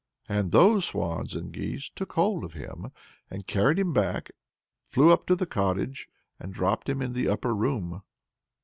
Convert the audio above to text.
And those swans and geese took hold of him and carried him back, flew up to the cottage, and dropped him in the upper room.